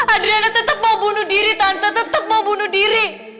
adriana tetep mau bunuh diri tante tetep mau bunuh diri